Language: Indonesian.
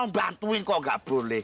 bantuin kok gak boleh